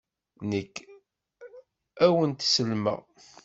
Nekk, ad wen-t-sellmeɣ.